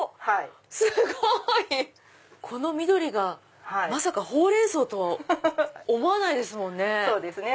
すごい！この緑がまさかホウレンソウとは思わないですもんね。